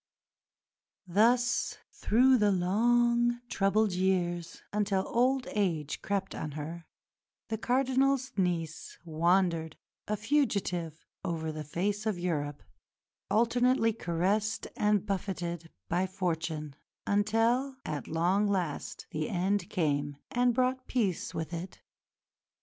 Thus, through the long, troubled years, until old age crept on her, the Cardinal's niece wandered, a fugitive, over the face of Europe, alternately caressed and buffeted by fortune, until "at long last" the end came and brought peace with it.